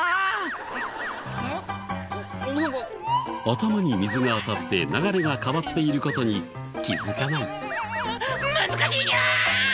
頭に水が当たって流れが変わっている事に気づかない。